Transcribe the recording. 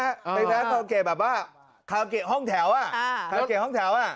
เป็นร้านคาราโอเกะแบบว่าคาราโอเกะห้องแถวอ่ะคาราโอเกะห้องแถวอ่ะ